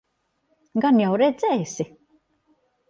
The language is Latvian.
Gan jau redzēsi?